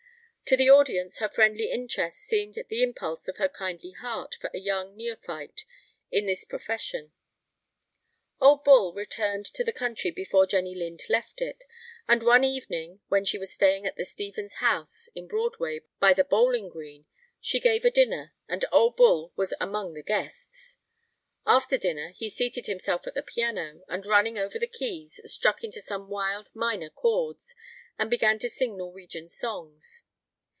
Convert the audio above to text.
To the audience her friendly interest seemed the impulse of her kindly heart for a young neophyte in this profession. To Mr. Otto Goldschmidt ! Ole Bull returned to the country before Jenny Lind left it, and one evening, when she was staying at the Stevens House, in Broadway by the Bowling Green, she gave a dinner, and Ole Bull was among the guests. After dinner he seated himself at the piano, and running over the keys, struck into some wild minor chords, and began to sing Norwegian songs.